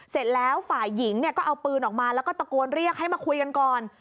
เสร็จแล้วฝ่ายหญิงเนี่ยก็เอาปืนออกมาแล้วก็ตะโกนเรียกให้มาคุยกันก่อน